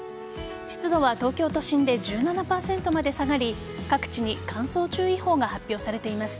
湿度は東京都心で１７％まで下がり各地に乾燥注意報が発表されています。